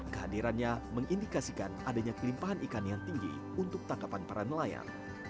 kehadirannya mengindikasikan adanya kelimpahan ikan yang tinggi untuk tangkapan para nelayan